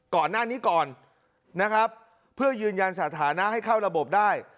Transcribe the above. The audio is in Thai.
ก่อนหน้านี้ก่อนนะครับเพื่อยืนยันสถานะให้เข้าระบบได้